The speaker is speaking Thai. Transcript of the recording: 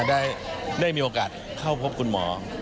ได้มีโอกาสเข้าพบคุณหมอ